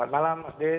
selamat malam mas dev